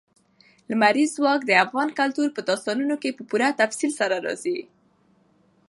لمریز ځواک د افغان کلتور په داستانونو کې په پوره تفصیل سره راځي.